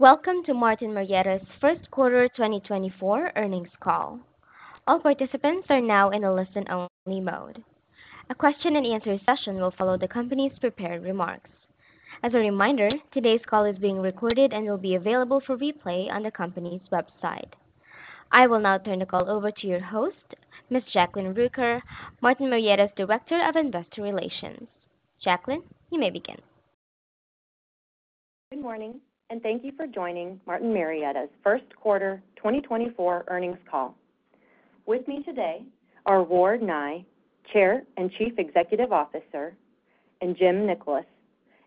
Welcome to Martin Marietta's First Quarter 2024 earnings call. All participants are now in a listen-only mode. A question-and-answer session will follow the company's prepared remarks. As a reminder, today's call is being recorded and will be available for replay on the company's website. I will now turn the call over to your host, Ms. Jacklyn Rooker, Martin Marietta's Director of Investor Relations. Jacklyn, you may begin. Good morning, and thank you for joining Martin Marietta's first quarter 2024 earnings call. With me today are Ward Nye, Chair and Chief Executive Officer, and Jim Nickolas,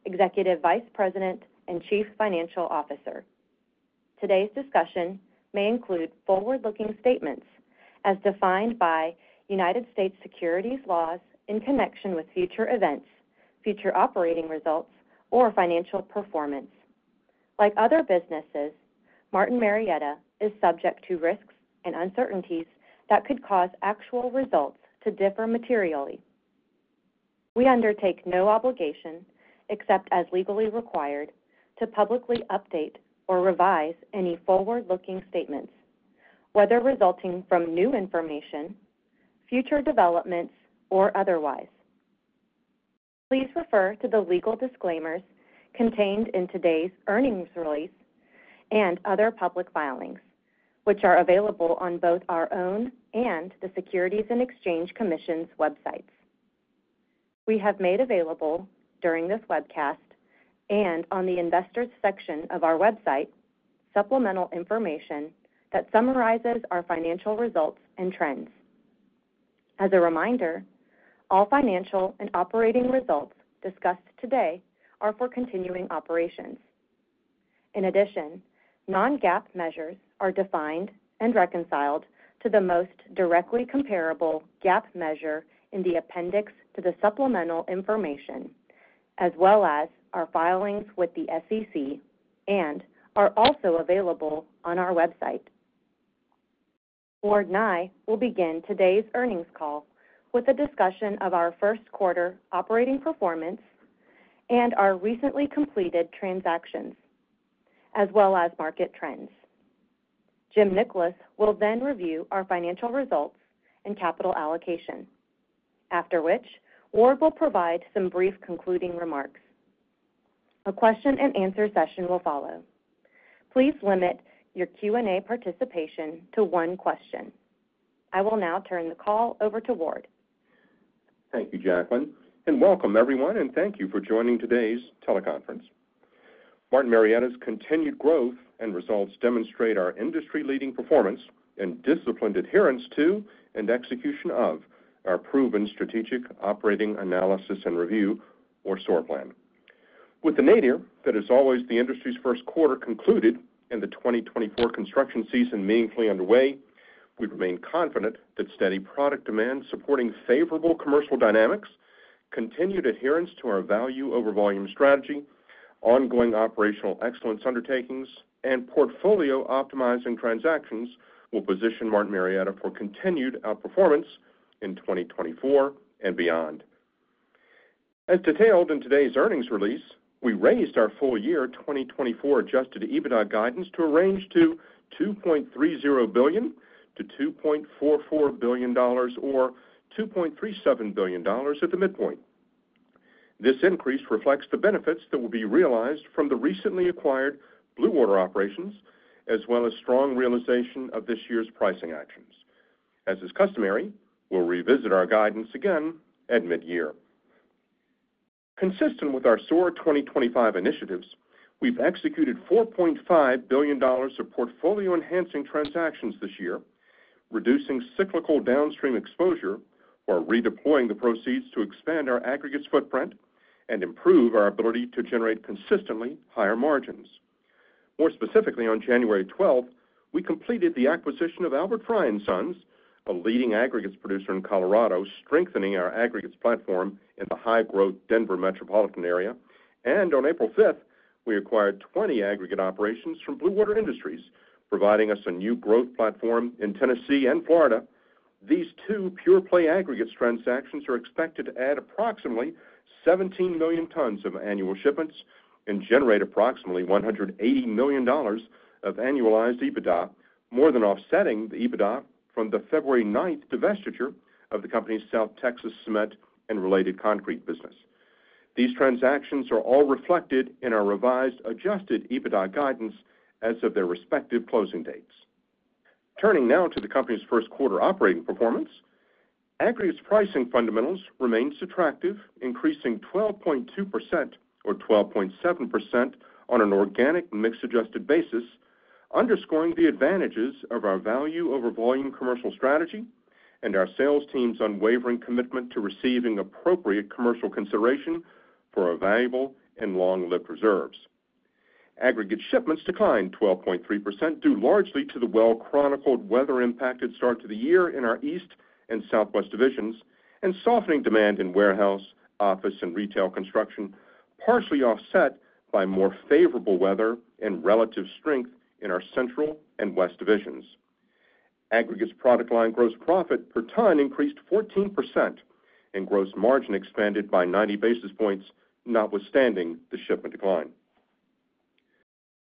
Executive Vice President and Chief Financial Officer. Today's discussion may include forward-looking statements as defined by United States securities laws in connection with future events, future operating results, or financial performance. Like other businesses, Martin Marietta is subject to risks and uncertainties that could cause actual results to differ materially. We undertake no obligation, except as legally required, to publicly update or revise any forward-looking statements, whether resulting from new information, future developments, or otherwise. Please refer to the legal disclaimers contained in today's earnings release and other public filings, which are available on both our own and the Securities and Exchange Commission's websites. We have made available during this webcast, and on the Investors section of our website, supplemental information that summarizes our financial results and trends. As a reminder, all financial and operating results discussed today are for continuing operations. In addition, non-GAAP measures are defined and reconciled to the most directly comparable GAAP measure in the appendix to the supplemental information, as well as our filings with the SEC, and are also available on our website. Ward Nye will begin today's earnings call with a discussion of our first quarter operating performance and our recently completed transactions, as well as market trends. Jim Nickolas will then review our financial results and capital allocation, after which Ward will provide some brief concluding remarks. A question-and-answer session will follow. Please limit your Q&A participation to one question. I will now turn the call over to Ward. Thank you, Jacklyn, and welcome everyone, and thank you for joining today's teleconference. Martin Marietta's continued growth and results demonstrate our industry-leading performance and disciplined adherence to and execution of our proven strategic operating analysis and review, or SOAR plan. With the nadir that is always the industry's first quarter concluded and the 2024 construction season meaningfully underway, we remain confident that steady product demand supporting favorable commercial dynamics, continued adherence to our Value-Over-Volume strategy, ongoing operational excellence undertakings, and portfolio optimizing transactions will position Martin Marietta for continued outperformance in 2024 and beyond. As detailed in today's earnings release, we raised our full-year 2024 Adjusted EBITDA guidance to a range of $2.30 billion-$2.44 billion or $2.37 billion at the midpoint. This increase reflects the benefits that will be realized from the recently acquired Blue Water operations, as well as strong realization of this year's pricing actions. As is customary, we'll revisit our guidance again at midyear. Consistent with our SOAR 2025 initiatives, we've executed $4.5 billion of portfolio-enhancing transactions this year, reducing cyclical downstream exposure while redeploying the proceeds to expand our aggregates footprint and improve our ability to generate consistently higher margins. More specifically, on January 12th, we completed the acquisition of Albert Frei & Sons, a leading aggregates producer in Colorado, strengthening our aggregates platform in the high-growth Denver metropolitan area. On April 5th, we acquired 20 aggregate operations from Blue Water Industries, providing us a new growth platform in Tennessee and Florida. These two pure-play aggregates transactions are expected to add approximately 17 million tons of annual shipments and generate approximately $180 million of annualized EBITDA, more than offsetting the EBITDA from the February ninth divestiture of the company's South Texas cement and related concrete business. These transactions are all reflected in our revised Adjusted EBITDA guidance as of their respective closing dates. Turning now to the company's first quarter operating performance. Aggregates pricing fundamentals remained attractive, increasing 12.2% or 12.7% on an organic mix-adjusted basis, underscoring the advantages of our Value-Over-Volume commercial strategy and our sales team's unwavering commitment to receiving appropriate commercial consideration for our valuable and long-lived reserves. Aggregate shipments declined 12.3%, due largely to the well-chronicled weather-impacted start to the year in our East and Southwest divisions, and softening demand in warehouse, office, and retail construction, partially offset by more favorable weather and relative strength in our Central and West divisions. Aggregates product line gross profit per ton increased 14%, and gross margin expanded by 90 basis points, notwithstanding the shipment decline.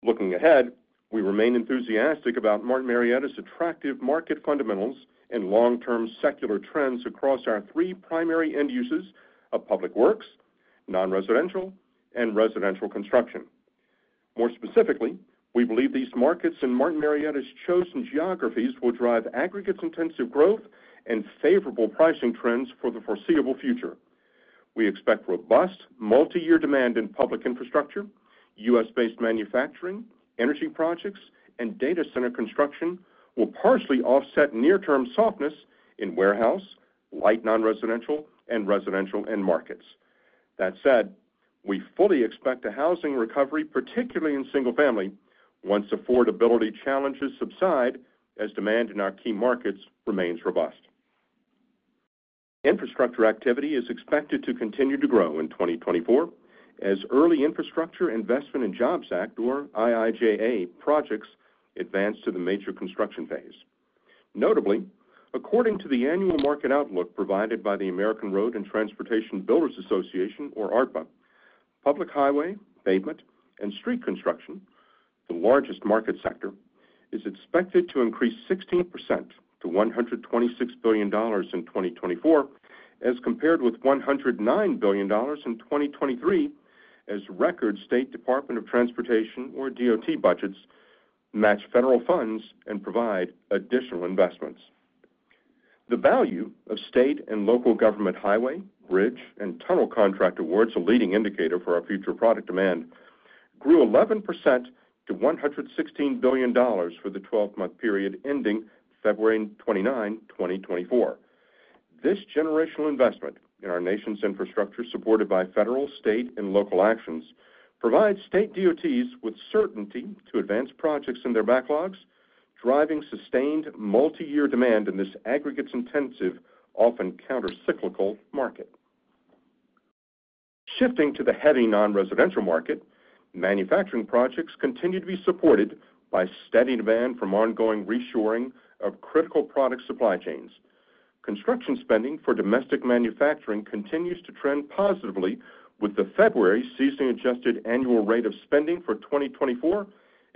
Looking ahead, we remain enthusiastic about Martin Marietta's attractive market fundamentals and long-term secular trends across our three primary end uses of public works, non-residential, and residential construction. More specifically, we believe these markets and Martin Marietta's chosen geographies will drive aggregates intensive growth and favorable pricing trends for the foreseeable future. We expect robust, multiyear demand in public infrastructure, U.S.-based manufacturing, energy projects, and data center construction will partially offset near-term softness in warehouse, light non-residential, and residential end markets. That said, we fully expect a housing recovery, particularly in single family, once affordability challenges subside as demand in our key markets remains robust. Infrastructure activity is expected to continue to grow in 2024, as the Infrastructure Investment and Jobs Act, or IIJA, projects advance to the major construction phase. Notably, according to the annual market outlook provided by the American Road and Transportation Builders Association, or ARTBA, public highway, pavement, and street construction, the largest market sector, is expected to increase 16% to $126 billion in 2024, as compared with $109 billion in 2023, as record state Department of Transportation, or DOT, budgets match federal funds and provide additional investments. The value of state and local government highway, bridge, and tunnel contract awards, a leading indicator for our future product demand, grew 11% to $116 billion for the 12-month period ending February 29, 2024. This generational investment in our nation's infrastructure, supported by federal, state, and local actions, provides state DOTs with certainty to advance projects in their backlogs, driving sustained multiyear demand in this aggregates intensive, often countercyclical market. Shifting to the heavy non-residential market, manufacturing projects continue to be supported by steady demand from ongoing reshoring of critical product supply chains. Construction spending for domestic manufacturing continues to trend positively with the February seasonally adjusted annual rate of spending for 2024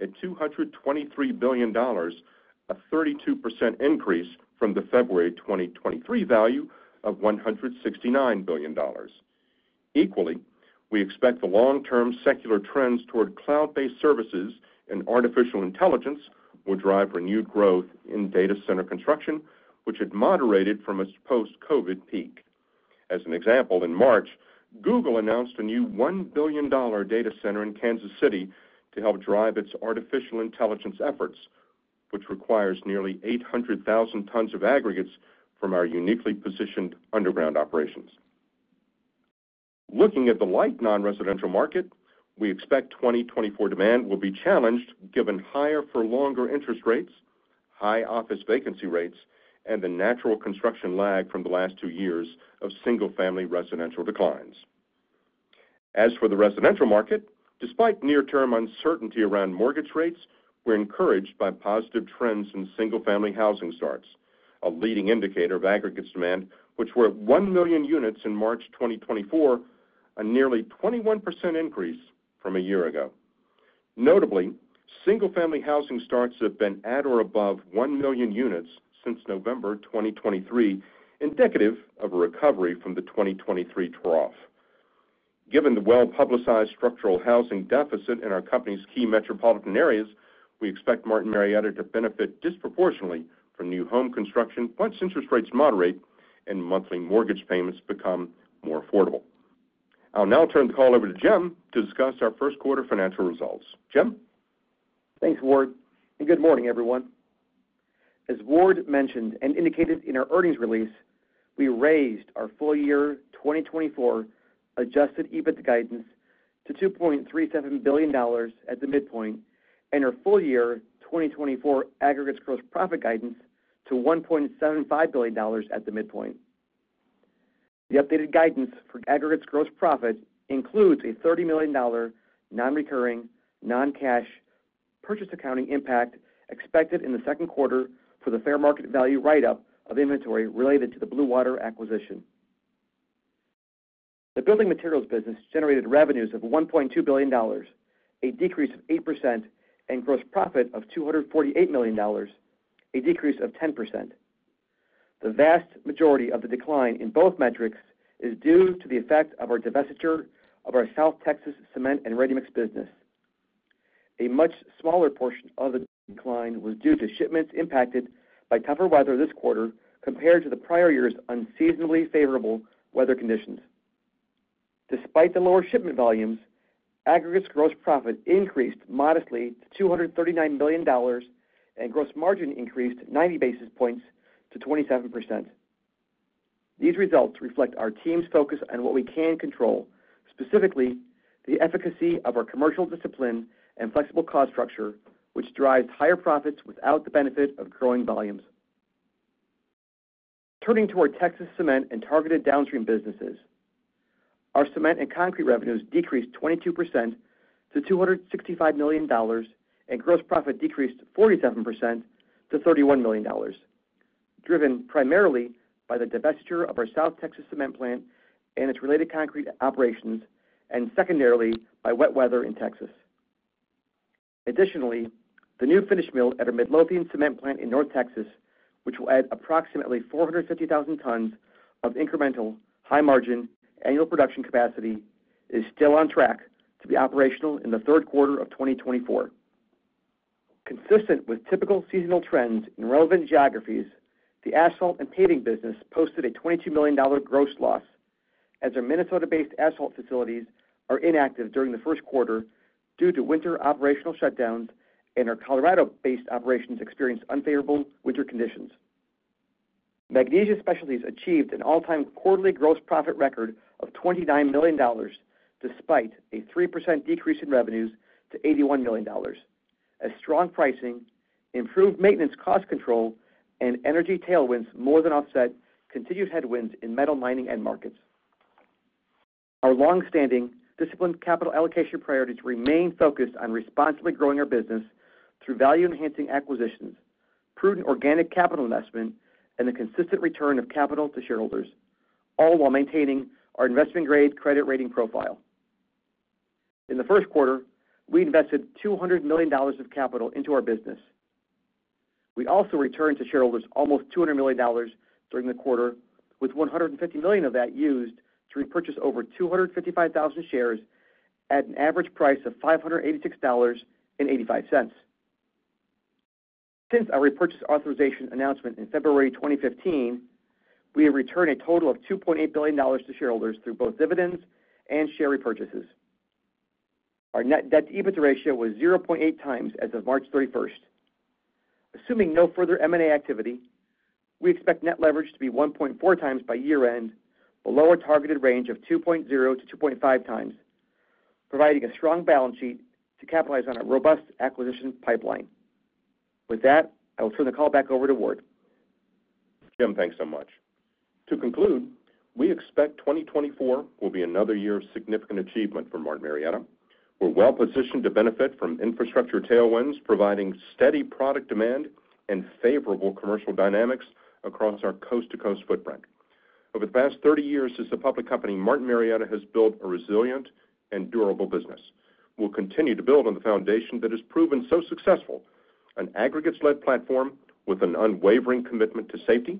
at $223 billion, a 32% increase from the February 2023 value of $169 billion. Equally, we expect the long-term secular trends toward cloud-based services and artificial intelligence will drive renewed growth in data center construction, which had moderated from its post-COVID peak. As an example, in March, Google announced a new $1 billion data center in Kansas City to help drive its artificial intelligence efforts, which requires nearly 800,000 tons of aggregates from our uniquely positioned underground operations. Looking at the light non-residential market, we expect 2024 demand will be challenged, given higher for longer interest rates, high office vacancy rates, and the natural construction lag from the last two years of single-family residential declines. As for the residential market, despite near-term uncertainty around mortgage rates, we're encouraged by positive trends in single-family housing starts, a leading indicator of aggregate demand, which were at 1 million units in March 2024, a nearly 21% increase from a year ago. Notably, single-family housing starts have been at or above 1 million units since November 2023, indicative of a recovery from the 2023 trough. Given the well-publicized structural housing deficit in our company's key metropolitan areas, we expect Martin Marietta to benefit disproportionately from new home construction once interest rates moderate and monthly mortgage payments become more affordable. I'll now turn the call over to Jim to discuss our first quarter financial results. Jim? Thanks, Ward, and good morning, everyone. As Ward mentioned and indicated in our earnings release, we raised our full-year 2024 Adjusted EBITDA guidance to $2.37 billion at the midpoint, and our full-year 2024 aggregates gross profit guidance to $1.75 billion at the midpoint. The updated guidance for aggregates gross profit includes a $30 million non-recurring, non-cash purchase accounting impact expected in the second quarter for the fair market value write-up of inventory related to the Blue Water acquisition. The building materials business generated revenues of $1.2 billion, a decrease of 8%, and gross profit of $248 million, a decrease of 10%. The vast majority of the decline in both metrics is due to the effect of our divestiture of our South Texas cement and ready-mix business. A much smaller portion of the decline was due to shipments impacted by tougher weather this quarter compared to the prior year's unseasonably favorable weather conditions. Despite the lower shipment volumes, aggregates gross profit increased modestly to $239 million, and gross margin increased 90 basis points to 27%. These results reflect our team's focus on what we can control, specifically the efficacy of our commercial discipline and flexible cost structure, which drives higher profits without the benefit of growing volumes.... Turning to our Texas Cement and targeted downstream businesses. Our cement and concrete revenues decreased 22% to $265 million, and gross profit decreased 47% to $31 million, driven primarily by the divestiture of our South Texas cement plant and its related concrete operations, and secondarily, by wet weather in Texas. Additionally, the new finish mill at our Midlothian cement plant in North Texas, which will add approximately 450,000 tons of incremental high margin annual production capacity, is still on track to be operational in the third quarter of 2024. Consistent with typical seasonal trends in relevant geographies, the asphalt and paving business posted a $22 million gross loss, as our Minnesota-based asphalt facilities are inactive during the first quarter due to winter operational shutdowns and our Colorado-based operations experienced unfavorable winter conditions. Magnesia Specialties achieved an all-time quarterly gross profit record of $29 million, despite a 3% decrease in revenues to $81 million. As strong pricing, improved maintenance, cost control, and energy tailwinds more than offset continued headwinds in metal mining end markets. Our long-standing disciplined capital allocation priorities remain focused on responsibly growing our business through value-enhancing acquisitions, prudent organic capital investment, and the consistent return of capital to shareholders, all while maintaining our investment-grade credit rating profile. In the first quarter, we invested $200 million of capital into our business. We also returned to shareholders almost $200 million during the quarter, with $150 million of that used to repurchase over 255,000 shares at an average price of $586.85. Since our repurchase authorization announcement in February 2015, we have returned a total of $2.8 billion to shareholders through both dividends and share repurchases. Our net debt to EBITDA ratio was 0.8x as of March 31. Assuming no further M&A activity, we expect net leverage to be 1.4 times by year-end, below our targeted range of 2.0-2.5 times, providing a strong balance sheet to capitalize on our robust acquisition pipeline. With that, I will turn the call back over to Ward. Jim, thanks so much. To conclude, we expect 2024 will be another year of significant achievement for Martin Marietta. We're well positioned to benefit from infrastructure tailwinds, providing steady product demand and favorable commercial dynamics across our coast-to-coast footprint. Over the past 30 years, as a public company, Martin Marietta has built a resilient and durable business. We'll continue to build on the foundation that has proven so successful, an aggregates-led platform with an unwavering commitment to safety,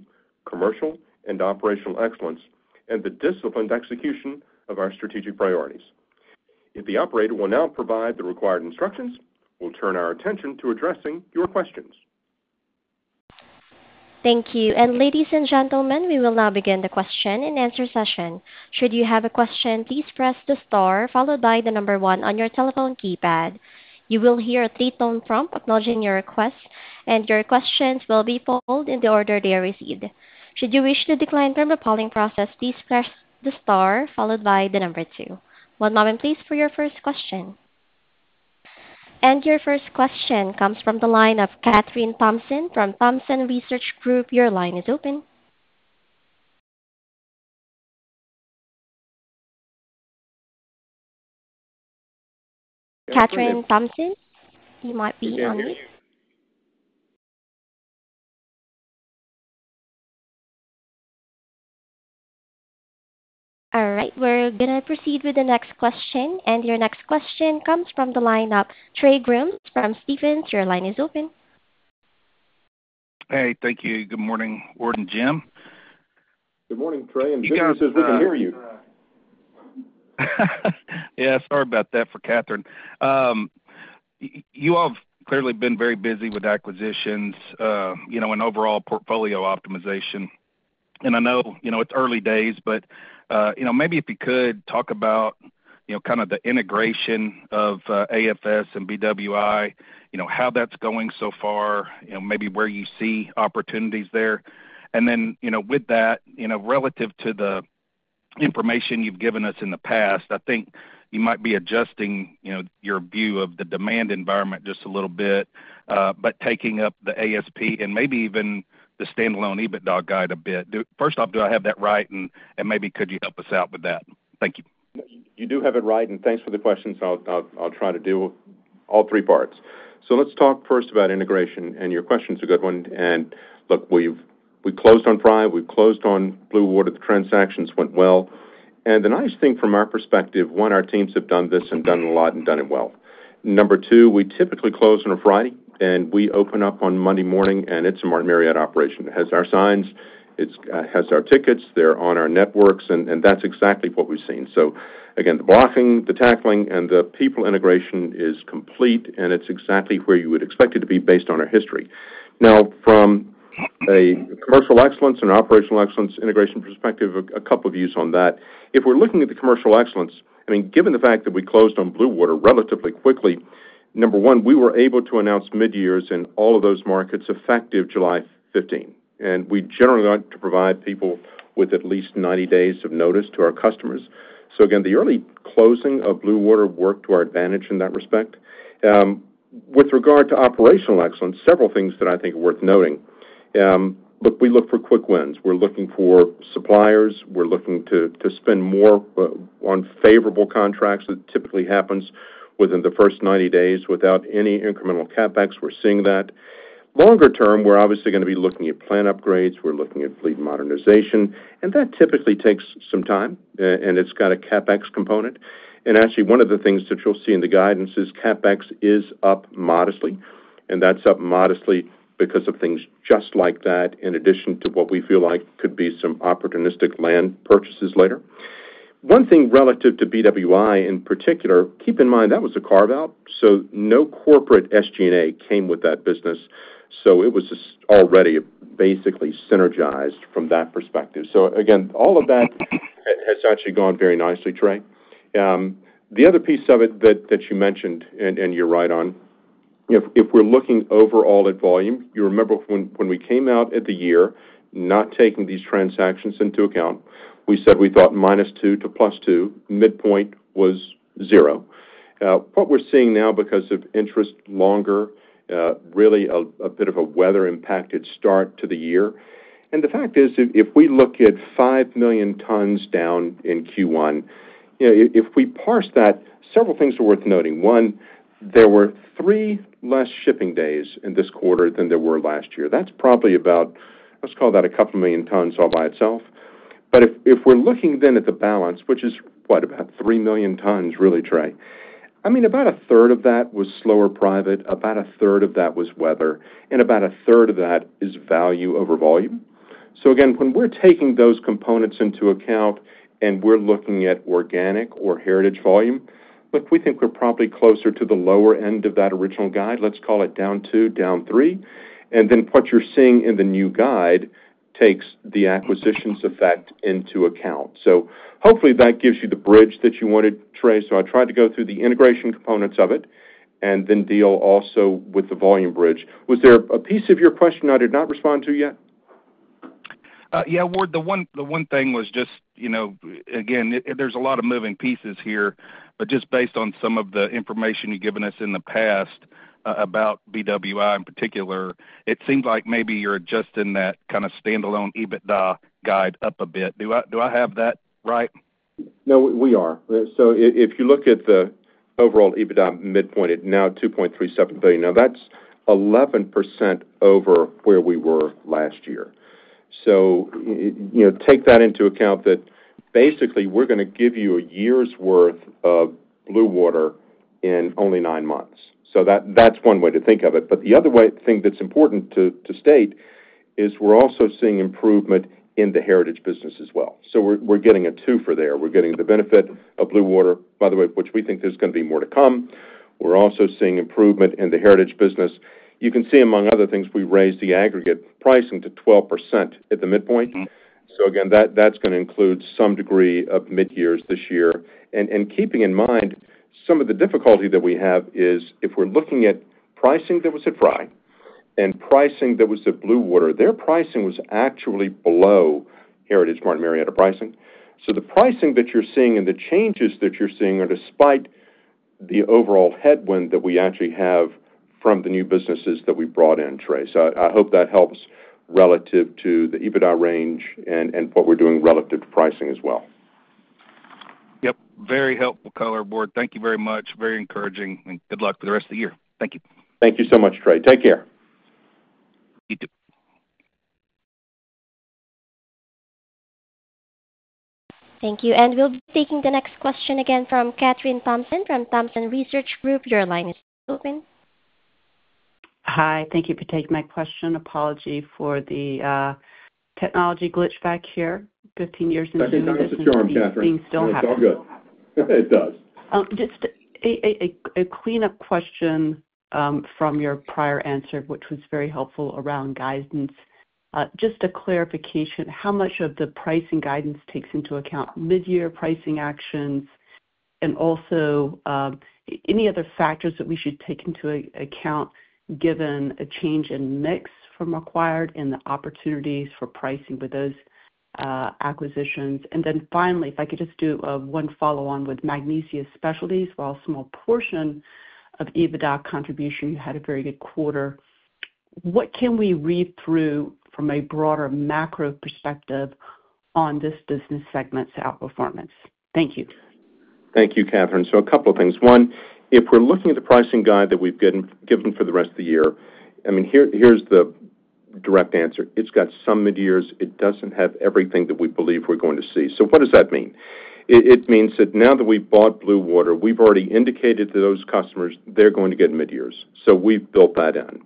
commercial, and operational excellence, and the disciplined execution of our strategic priorities. If the operator will now provide the required instructions, we'll turn our attention to addressing your questions. Thank you. Ladies and gentlemen, we will now begin the question and answer session. Should you have a question, please press the star followed by the number one on your telephone keypad. You will hear a three-tone prompt acknowledging your request, and your questions will be polled in the order they are received. Should you wish to decline from the polling process, please press the star followed by the number two. One moment, please, for your first question. Your first question comes from the line of Kathryn Thompson from Thompson Research Group. Your line is open. Kathryn Thompson, you might be on mute. All right, we're gonna proceed with the next question, and your next question comes from the line of Trey Grooms from Stephens. Your line is open. Hey, thank you. Good morning, Ward and Jim. Good morning, Trey, and she says we can hear you. Yeah, sorry about that for Kathryn. You all have clearly been very busy with acquisitions, you know, and overall portfolio optimization. And I know, you know, it's early days, but, you know, maybe if you could talk about, you know, kind of the integration of, AFS and BWI, you know, how that's going so far, you know, maybe where you see opportunities there. And then, you know, with that, you know, relative to the information you've given us in the past, I think you might be adjusting, you know, your view of the demand environment just a little bit, but taking up the ASP and maybe even the standalone EBITDA guide a bit. First off, do I have that right? And, maybe could you help us out with that? Thank you. You do have it right, and thanks for the question. So I'll try to do all three parts. So let's talk first about integration, and your question's a good one. And look, we've closed on Friday, we've closed on Blue Water. The transactions went well. And the nice thing from our perspective, one, our teams have done this and done a lot and done it well. Number two, we typically close on a Friday, and we open up on Monday morning, and it's a Martin Marietta operation. It has our signs, it has our tickets, they're on our networks, and that's exactly what we've seen. So again, the blocking, the tackling, and the people integration is complete, and it's exactly where you would expect it to be based on our history. Now, from a commercial excellence and operational excellence integration perspective, a couple of views on that. If we're looking at the commercial excellence, I mean, given the fact that we closed on Blue Water relatively quickly, number one, we were able to announce midyears in all of those markets effective July 15, and we generally like to provide people with at least 90 days of notice to our customers. So again, the early closing of Blue Water worked to our advantage in that respect. With regard to operational excellence, several things that I think are worth noting. Look, we look for quick wins. We're looking for suppliers, we're looking to spend more on favorable contracts. That typically happens within the first 90 days without any incremental CapEx. We're seeing that. Longer term, we're obviously gonna be looking at plant upgrades, we're looking at fleet modernization, and that typically takes some time, and it's got a CapEx component. Actually, one of the things that you'll see in the guidance is CapEx is up modestly, and that's up modestly because of things just like that, in addition to what we feel like could be some opportunistic land purchases later. One thing relative to BWI, in particular, keep in mind, that was a carve-out, so no corporate SG&A came with that business, so it was just already basically synergized from that perspective. So again, all of that has actually gone very nicely, Trey. The other piece of it that you mentioned, and you're right on, if we're looking overall at volume, you remember when we came out at the year, not taking these transactions into account, we said we thought -2 to +2, midpoint was 0. What we're seeing now because of interest longer, really a bit of a weather-impacted start to the year. And the fact is, if we look at 5 million tons down in Q1, you know, if we parse that, several things are worth noting. One, there were 3 less shipping days in this quarter than there were last year. That's probably about, let's call that a couple million tons all by itself. But if we're looking then at the balance, which is, what? About 3 million tons, really, Trey. I mean, about a third of that was slower private, about a third of that was weather, and about a third of that is Value-Over-Volume. So again, when we're taking those components into account and we're looking at organic or heritage volume, look, we think we're probably closer to the lower end of that original guide. Let's call it down 2, down 3, and then what you're seeing in the new guide takes the acquisitions effect into account. So hopefully, that gives you the bridge that you wanted, Trey. So I tried to go through the integration components of it and then deal also with the volume bridge. Was there a piece of your question I did not respond to yet? Yeah, Ward, the one thing was just, you know, again, there's a lot of moving pieces here, but just based on some of the information you've given us in the past about BWI in particular, it seems like maybe you're adjusting that kind of standalone EBITDA guide up a bit. Do I have that right? No, we are. So if you look at the overall EBITDA midpoint, it's now $2.37 billion. Now, that's 11% over where we were last year. So, you know, take that into account that basically, we're gonna give you a year's worth of Blue Water in only nine months. So that's one way to think of it. But the other thing that's important to state is we're also seeing improvement in the heritage business as well. So we're getting a twofer there. We're getting the benefit of Blue Water, by the way, which we think there's gonna be more to come. We're also seeing improvement in the heritage business. You can see, among other things, we raised the aggregate pricing to 12% at the midpoint. Mm-hmm. So again, that's gonna include some degree of mid-years this year. And keeping in mind, some of the difficulty that we have is if we're looking at pricing that was at Frei and pricing that was at Blue Water, their pricing was actually below Heritage Martin Marietta pricing. So the pricing that you're seeing and the changes that you're seeing are despite the overall headwind that we actually have from the new businesses that we brought in, Trey. So I hope that helps relative to the EBITDA range and what we're doing relative to pricing as well. Yep, very helpful color, Ward. Thank you very much. Very encouraging, and good luck for the rest of the year. Thank you. Thank you so much, Trey. Take care. You too. Thank you, and we'll be taking the next question again from Kathryn Thompson from Thompson Research Group. Your line is open. Hi, thank you for taking my question. Apologies for the technology glitch back here. 15 years into this- That's at your arm, Kathryn. things still happen. It's all good. It does. Just a cleanup question from your prior answer, which was very helpful around guidance. Just a clarification, how much of the pricing guidance takes into account mid-year pricing actions and also any other factors that we should take into account, given a change in mix from acquired and the opportunities for pricing with those acquisitions? And then finally, if I could just do one follow-on with Magnesia Specialties. While a small portion of EBITDA contribution, you had a very good quarter. What can we read through from a broader macro perspective on this business segment's outperformance? Thank you. Thank you, Kathryn. So a couple of things. One, if we're looking at the pricing guide that we've given for the rest of the year, I mean, here, here's the direct answer: It's got some mid-years. It doesn't have everything that we believe we're going to see. So what does that mean? It means that now that we've bought Blue Water, we've already indicated to those customers they're going to get mid-years, so we've built that in.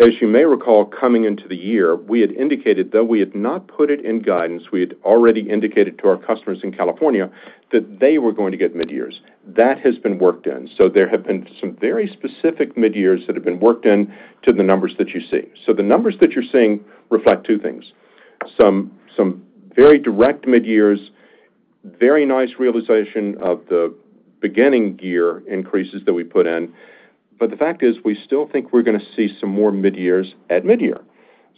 As you may recall, coming into the year, we had indicated, though we had not put it in guidance, we had already indicated to our customers in California that they were going to get mid-years. That has been worked in. So there have been some very specific mid-years that have been worked in to the numbers that you see. So the numbers that you're seeing reflect two things: Some very direct mid-years, very nice realization of the beginning year increases that we put in. But the fact is, we still think we're gonna see some more mid-years at mid-year.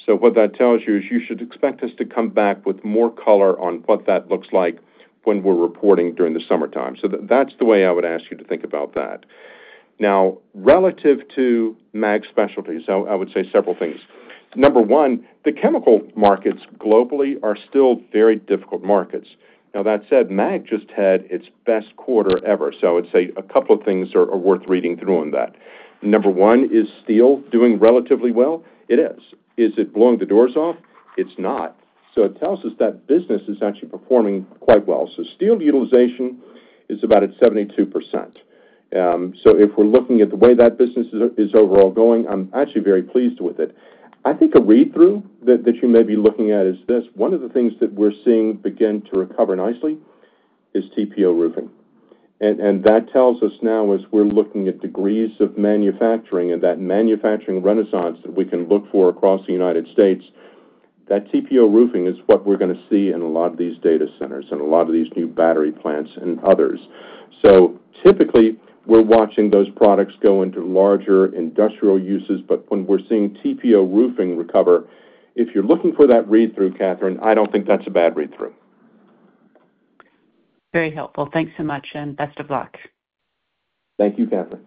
So what that tells you is you should expect us to come back with more color on what that looks like when we're reporting during the summertime. So that's the way I would ask you to think about that. Now, relative to Mag Specialties, I would say several things. Number one, the chemical markets globally are still very difficult markets. Now, that said, Mag just had its best quarter ever, so I would say a couple of things are worth reading through on that. Number one, is steel doing relatively well? It is. Is it blowing the doors off? It's not. So it tells us that business is actually performing quite well. So steel utilization is about at 72%. So if we're looking at the way that business is overall going, I'm actually very pleased with it. I think a read-through that you may be looking at is this: one of the things that we're seeing begin to recover nicely is TPO roofing. And that tells us now, as we're looking at degrees of manufacturing and that manufacturing renaissance that we can look for across the United States, that TPO roofing is what we're gonna see in a lot of these data centers and a lot of these new battery plants and others. So typically, we're watching those products go into larger industrial uses, but when we're seeing TPO roofing recover, if you're looking for that read-through, Kathryn, I don't think that's a bad read-through. Very helpful. Thanks so much, and best of luck. Thank you, Kathryn.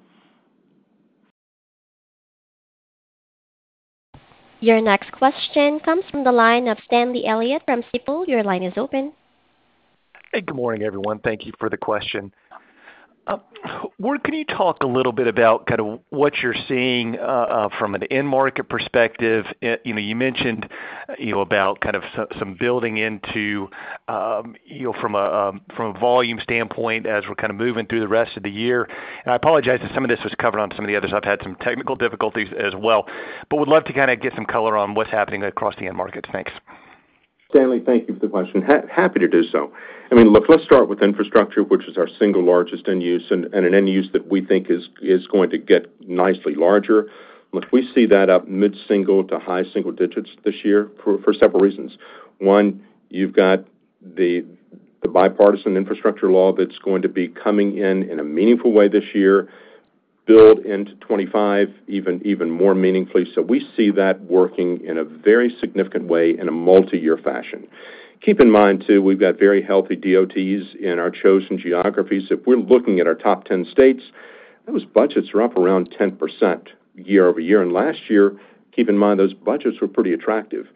Your next question comes from the line of Stanley Elliott from Stifel. Your line is open. Hey, good morning, everyone. Thank you for the question. Ward, can you talk a little bit about kind of what you're seeing from an end market perspective? And, you know, you mentioned, you know, about kind of some, some building into, you know, from a, from a volume standpoint as we're kind of moving through the rest of the year. I apologize if some of this was covered on some of the others. I've had some technical difficulties as well, but would love to kind of get some color on what's happening across the end markets. Thanks. Stanley, thank you for the question. Happy to do so. I mean, look, let's start with infrastructure, which is our single largest end use, and an end use that we think is going to get nicely larger. Look, we see that up mid-single to high single digits this year for several reasons. One, you've got the Bipartisan Infrastructure Law that's going to be coming in in a meaningful way this year, build into 2025, even more meaningfully. So we see that working in a very significant way in a multiyear fashion. Keep in mind, too, we've got very healthy DOTs in our chosen geographies. If we're looking at our top 10 states, those budgets are up around 10% year-over-year. And last year, keep in mind, those budgets were pretty attractive. You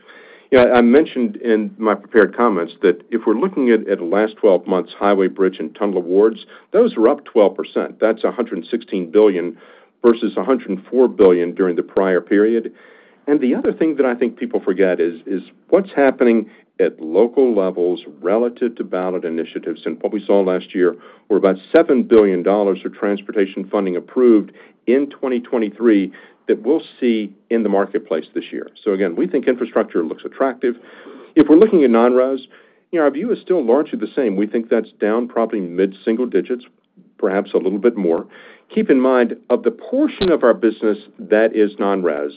know, I mentioned in my prepared comments that if we're looking at, at last twelve months, highway, bridge, and tunnel awards, those were up 12%. That's $116 billion versus $104 billion during the prior period. And the other thing that I think people forget is, is what's happening at local levels relative to ballot initiatives, and what we saw last year were about $7 billion of transportation funding approved in 2023 that we'll see in the marketplace this year. So again, we think infrastructure looks attractive. If we're looking at non-res, you know, our view is still largely the same. We think that's down probably mid-single digits, perhaps a little bit more. Keep in mind, of the portion of our business that is non-res,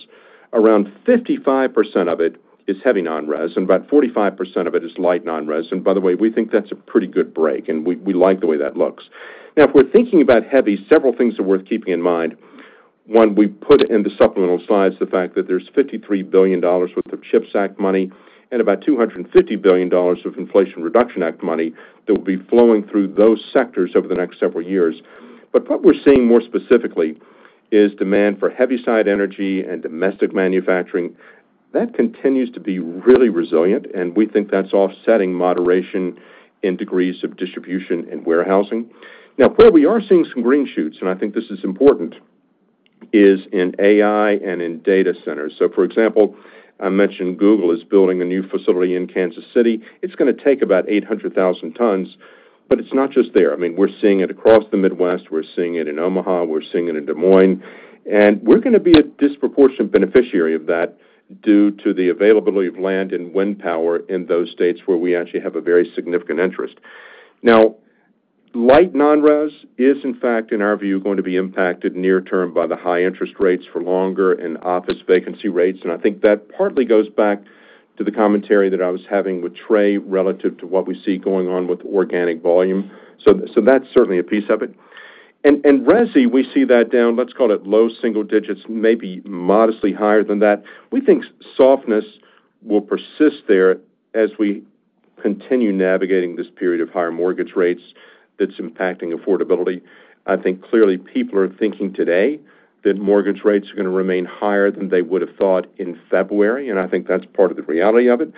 around 55% of it is heavy non-res, and about 45% of it is light non-res. By the way, we think that's a pretty good break, and we, we like the way that looks. Now, if we're thinking about heavy, several things are worth keeping in mind. One, we put in the supplemental slides the fact that there's $53 billion worth of CHIPS Act money and about $250 billion of Inflation Reduction Act money that will be flowing through those sectors over the next several years. But what we're seeing more specifically is demand for heavy side energy and domestic manufacturing. That continues to be really resilient, and we think that's offsetting moderation in degrees of distribution and warehousing. Now, where we are seeing some green shoots, and I think this is important, is in AI and in data centers. So for example, I mentioned Google is building a new facility in Kansas City. It's gonna take about 800,000 tons, but it's not just there. I mean, we're seeing it across the Midwest. We're seeing it in Omaha, we're seeing it in Des Moines, and we're gonna be a disproportionate beneficiary of that due to the availability of land and wind power in those states where we actually have a very significant interest. Now, light non-res is, in fact, in our view, going to be impacted near term by the high interest rates for longer and office vacancy rates, and I think that partly goes back to the commentary that I was having with Trey relative to what we see going on with organic volume. So, so that's certainly a piece of it. And, and resi, we see that down, let's call it, low single digits, maybe modestly higher than that. We think softness will persist there as we continue navigating this period of higher mortgage rates that's impacting affordability. I think clearly people are thinking today that mortgage rates are gonna remain higher than they would have thought in February, and I think that's part of the reality of it.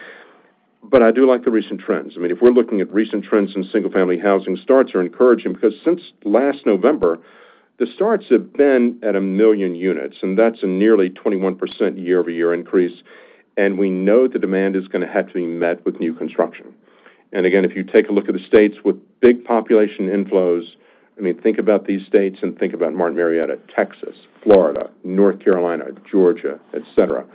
But I do like the recent trends. I mean, if we're looking at recent trends in single-family housing, starts are encouraging because since last November, the starts have been at 1 million units, and that's a nearly 21% year-over-year increase, and we know the demand is gonna have to be met with new construction. And again, if you take a look at the states with big population inflows, I mean, think about these states and think about Martin Marietta, Texas, Florida, North Carolina, Georgia, et cetera.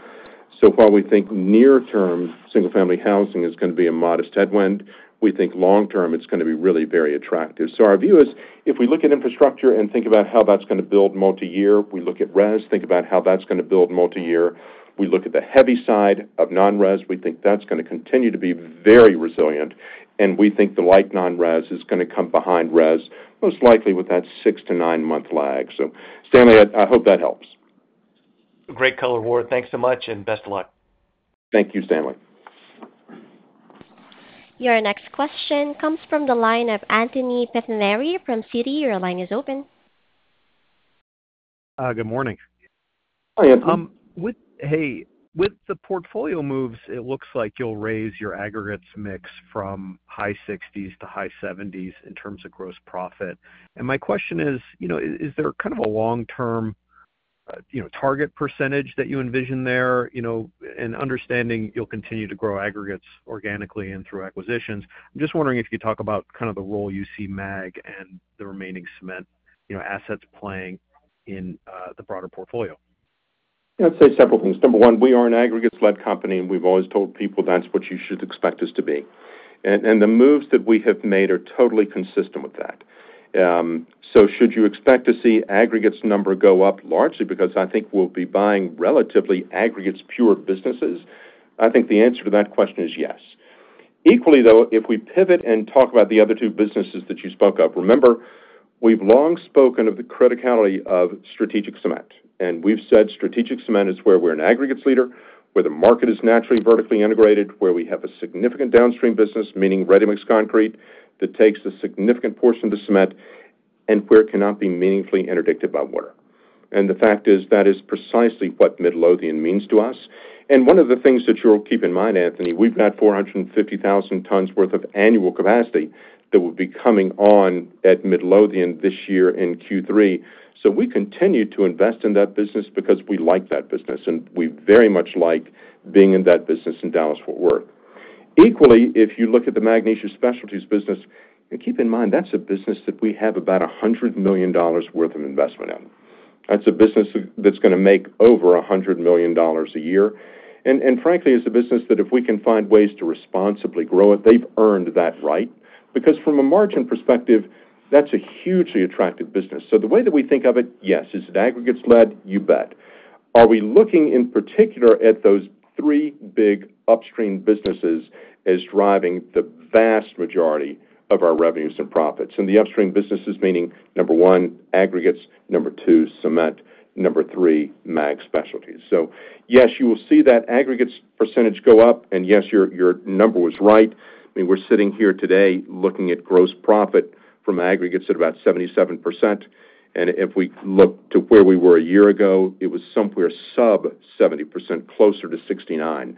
So while we think near-term single-family housing is gonna be a modest headwind, we think long term, it's gonna be really very attractive. So our view is, if we look at infrastructure and think about how that's gonna build multiyear, we look at res, think about how that's gonna build multiyear. We look at the heavy side of non-res, we think that's gonna continue to be very resilient, and we think the light non-res is gonna come behind res, most likely with that six-to-nine-month lag. So Stanley, I, I hope that helps. Great color, Ward. Thanks so much, and best of luck. Thank you, Stanley.... Your next question comes from the line of Anthony Pettinari from Citi. Your line is open. Good morning. Hi, Anthony. With the portfolio moves, it looks like you'll raise your aggregates mix from high 60s% to high 70s% in terms of gross profit. And my question is, you know, is there kind of a long-term, you know, target percentage that you envision there? You know, and understanding you'll continue to grow aggregates organically and through acquisitions, I'm just wondering if you could talk about kind of the role you see Mag and the remaining cement, you know, assets playing in the broader portfolio. Yeah, I'd say several things. Number one, we are an aggregates-led company, and we've always told people that's what you should expect us to be. And the moves that we have made are totally consistent with that. So should you expect to see aggregates number go up, largely because I think we'll be buying relatively aggregates pure businesses? I think the answer to that question is yes. Equally, though, if we pivot and talk about the other two businesses that you spoke of, remember, we've long spoken of the criticality of strategic cement, and we've said strategic cement is where we're an aggregates leader, where the market is naturally vertically integrated, where we have a significant downstream business, meaning ready-mix concrete, that takes a significant portion of the cement and where it cannot be meaningfully interdicted by water. The fact is, that is precisely what Midlothian means to us. One of the things that you'll keep in mind, Anthony, we've got 450,000 tons worth of annual capacity that will be coming on at Midlothian this year in Q3. So we continue to invest in that business because we like that business, and we very much like being in that business in Dallas-Fort Worth. Equally, if you look at the Magnesia Specialties business, and keep in mind, that's a business that we have about $100 million worth of investment in. That's a business that's gonna make over $100 million a year. And frankly, it's a business that if we can find ways to responsibly grow it, they've earned that right, because from a margin perspective, that's a hugely attractive business. So the way that we think of it, yes. Is it aggregates led? You bet. Are we looking in particular at those three big upstream businesses as driving the vast majority of our revenues and profits? And the upstream businesses meaning, number one, aggregates; number two, cement; number three, Magnesia Specialties. So yes, you will see that aggregates percentage go up, and yes, your number was right. I mean, we're sitting here today looking at gross profit from aggregates at about 77%, and if we look to where we were a year ago, it was somewhere sub 70%, closer to 69%.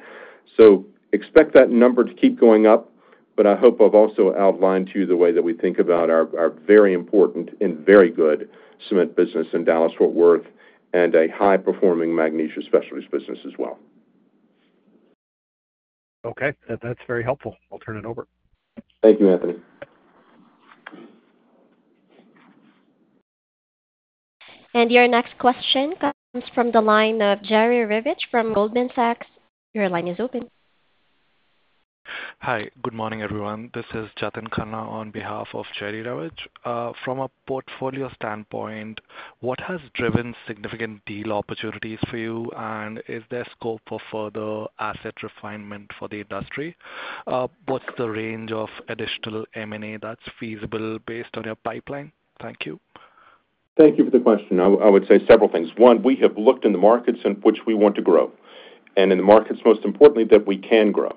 So expect that number to keep going up, but I hope I've also outlined to you the way that we think about our very important and very good cement business in Dallas-Fort Worth, and a high-performing Magnesia Specialties business as well. Okay, that's very helpful. I'll turn it over. Thank you, Anthony. Your next question comes from the line of Jerry Revich from Goldman Sachs. Your line is open. Hi, good morning, everyone. This is Jatin Khanna on behalf of Jerry Revich. From a portfolio standpoint, what has driven significant deal opportunities for you, and is there scope for further asset refinement for the industry? What's the range of additional M&A that's feasible based on your pipeline? Thank you. Thank you for the question. I would say several things. One, we have looked in the markets in which we want to grow, and in the markets, most importantly, that we can grow.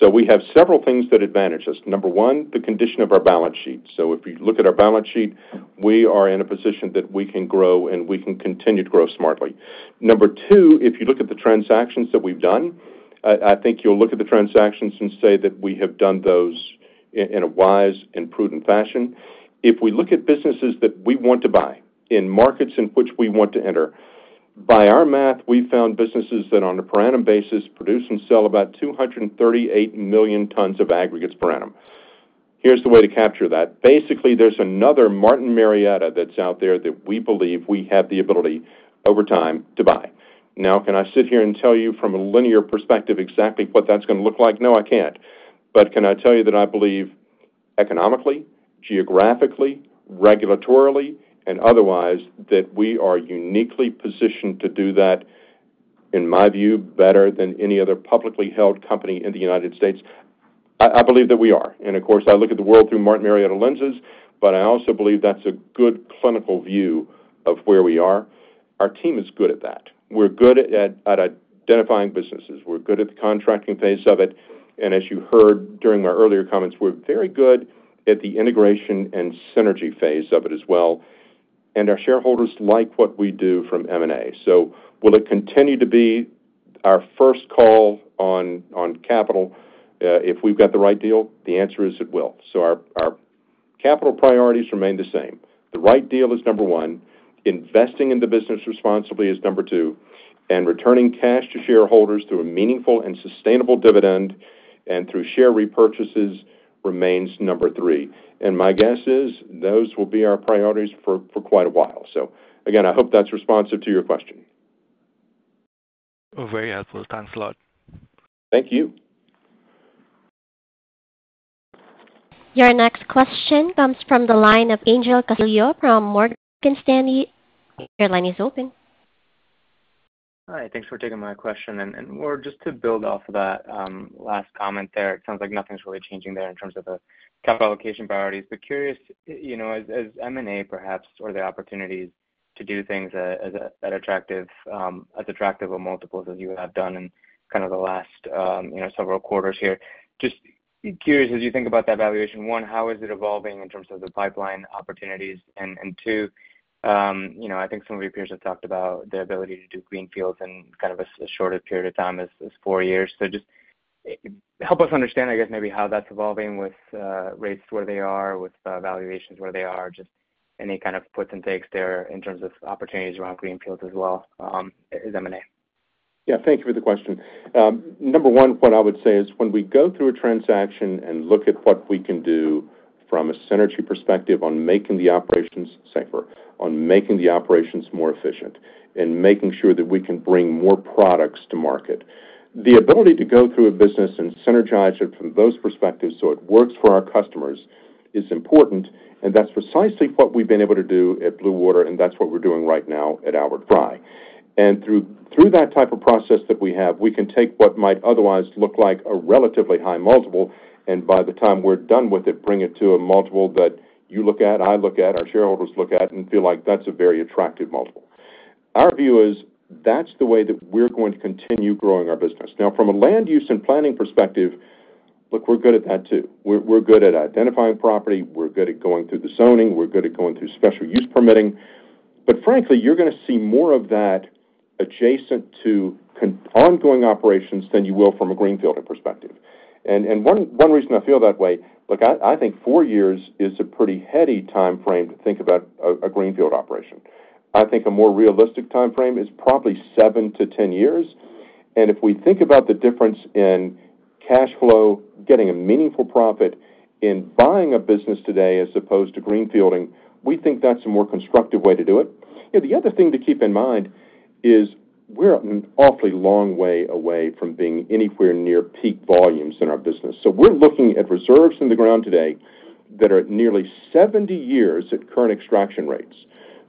So we have several things that advantage us. Number one, the condition of our balance sheet. So if you look at our balance sheet, we are in a position that we can grow, and we can continue to grow smartly. Number two, if you look at the transactions that we've done, I think you'll look at the transactions and say that we have done those in a wise and prudent fashion. If we look at businesses that we want to buy in markets in which we want to enter, by our math, we found businesses that, on a per annum basis, produce and sell about 238 million tons of aggregates per annum. Here's the way to capture that. Basically, there's another Martin Marietta that's out there that we believe we have the ability, over time, to buy. Now, can I sit here and tell you from a linear perspective exactly what that's gonna look like? No, I can't. But can I tell you that I believe economically, geographically, regulatorily, and otherwise, that we are uniquely positioned to do that, in my view, better than any other publicly held company in the United States? I, I believe that we are. Of course, I look at the world through Martin Marietta lenses, but I also believe that's a good clinical view of where we are. Our team is good at that. We're good at, at identifying businesses. We're good at the contracting phase of it, and as you heard during my earlier comments, we're very good at the integration and synergy phase of it as well, and our shareholders like what we do from M&A. So will it continue to be our first call on, on capital, if we've got the right deal? The answer is, it will. So our, our capital priorities remain the same. The right deal is number one, investing in the business responsibly is number two, and returning cash to shareholders through a meaningful and sustainable dividend and through share repurchases remains number three. My guess is those will be our priorities for quite a while. Again, I hope that's responsive to your question. Very helpful. Thanks a lot. Thank you. Your next question comes from the line of Angel Castillo from Morgan Stanley. Your line is open. Hi, thanks for taking my question. And more just to build off of that last comment there, it sounds like nothing's really changing there in terms of the capital allocation priorities. But curious, you know, as M&A perhaps, or the opportunities-... to do things, as at attractive, as attractive of multiples as you have done in kind of the last, you know, several quarters here. Just curious, as you think about that valuation, one, how is it evolving in terms of the pipeline opportunities? And two, you know, I think some of your peers have talked about the ability to do greenfields in kind of a shorter period of time as four years. So just, help us understand, I guess, maybe how that's evolving with, rates where they are, with, valuations where they are. Just any kind of puts and takes there in terms of opportunities around greenfields as well, as M&A. Yeah, thank you for the question. Number one, what I would say is when we go through a transaction and look at what we can do from a synergy perspective on making the operations safer, on making the operations more efficient, and making sure that we can bring more products to market, the ability to go through a business and synergize it from those perspectives so it works for our customers is important, and that's precisely what we've been able to do at Blue Water, and that's what we're doing right now at Albert Frei. Through that type of process that we have, we can take what might otherwise look like a relatively high multiple, and by the time we're done with it, bring it to a multiple that you look at, I look at, our shareholders look at, and feel like that's a very attractive multiple. Our view is that's the way that we're going to continue growing our business. Now, from a land use and planning perspective, look, we're good at that, too. We're good at identifying property, we're good at going through the zoning, we're good at going through special use permitting. But frankly, you're gonna see more of that adjacent to ongoing operations than you will from a greenfield perspective. And one reason I feel that way... Look, I think 4 years is a pretty heady timeframe to think about a greenfield operation. I think a more realistic timeframe is probably 7-10 years. And if we think about the difference in cash flow, getting a meaningful profit in buying a business today as opposed to greenfielding, we think that's a more constructive way to do it. You know, the other thing to keep in mind is we're an awfully long way away from being anywhere near peak volumes in our business. So we're looking at reserves in the ground today that are at nearly 70 years at current extraction rates.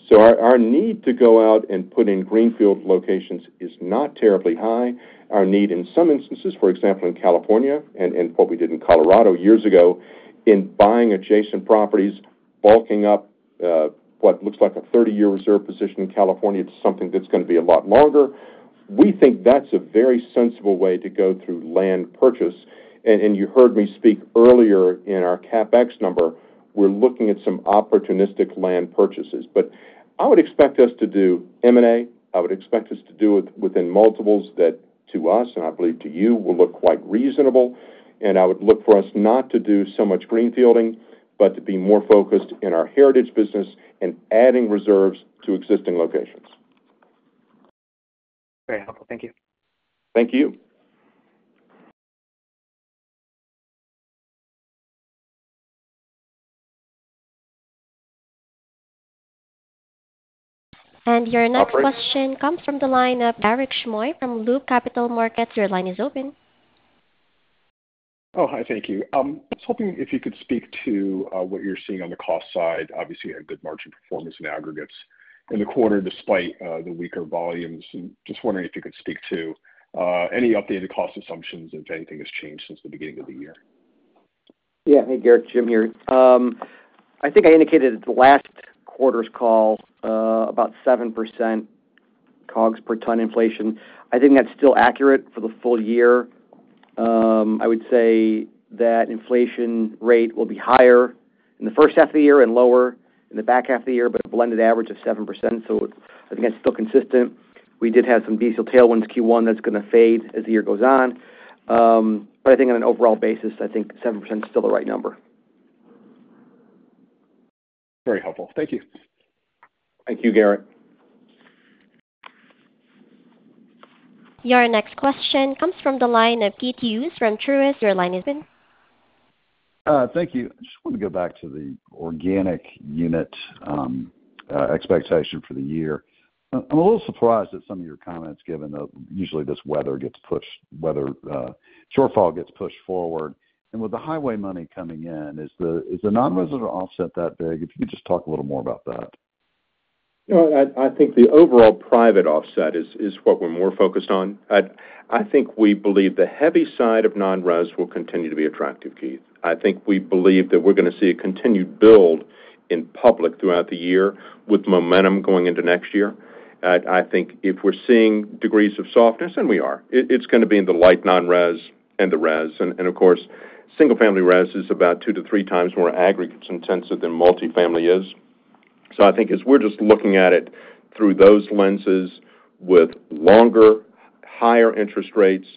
So our need to go out and put in greenfield locations is not terribly high. Our need in some instances, for example, in California and what we did in Colorado years ago, in buying adjacent properties, bulking up what looks like a 30-year reserve position in California to something that's gonna be a lot longer, we think that's a very sensible way to go through land purchase. And you heard me speak earlier in our CapEx number, we're looking at some opportunistic land purchases. But I would expect us to do M&A, I would expect us to do it within multiples that, to us, and I believe to you, will look quite reasonable, and I would look for us not to do so much greenfielding, but to be more focused in our heritage business and adding reserves to existing locations. Very helpful. Thank you. Thank you. Your next question comes from the line of Garik Shmois from B. Riley Capital Markets. Your line is open. Oh, hi. Thank you. I was hoping if you could speak to what you're seeing on the cost side. Obviously, a good margin performance in aggregates in the quarter, despite the weaker volumes. Just wondering if you could speak to any updated cost assumptions, if anything has changed since the beginning of the year. Yeah. Hey, Garrett, Jim here. I think I indicated at the last quarter's call, about 7% COGS per ton inflation. I think that's still accurate for the full year. I would say that inflation rate will be higher in the first half of the year and lower in the back half of the year, but a blended average of 7%, so I think that's still consistent. We did have some diesel tailwinds Q1 that's gonna fade as the year goes on. But I think on an overall basis, I think 7% is still the right number. Very helpful. Thank you. Thank you, Garrett. Your next question comes from the line of Keith Hughes from Truist. Your line is open. Thank you. I just wanted to go back to the organic unit expectation for the year. I'm a little surprised at some of your comments, given that usually this weather gets pushed- weather shortfall gets pushed forward. And with the highway money coming in, is the non-res offset that big? If you could just talk a little more about that. You know, I think the overall private offset is what we're more focused on. I think we believe the heavy side of non-res will continue to be attractive, Keith. I think we believe that we're gonna see a continued build in public throughout the year, with momentum going into next year. I think if we're seeing degrees of softness, and we are, it's gonna be in the light non-res and the res. And of course, single-family res is about two to three times more aggregates-intensive than multifamily is. So I think as we're just looking at it through those lenses, with longer, higher interest rates,